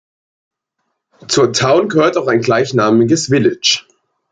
Zur Town gehört auch ein gleichnamiges Village.